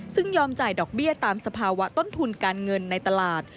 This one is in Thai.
ซึ่งยอมจ่ายดอกเบี้ยตามสภาวะต้นทุนการเงินในตลาด